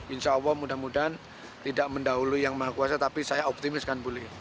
insya allah mudah mudahan tidak mendahului yang maha kuasa tapi saya optimis kan boleh